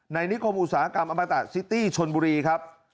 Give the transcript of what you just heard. นิคมอุตสาหกรรมอมตะซิตี้ชนบุรีครับ